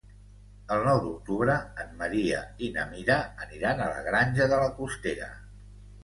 El nou d'octubre en Maria i na Mira aniran a la Granja de la Costera.